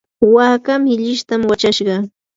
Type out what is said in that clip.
waaka millishtam wachashqa.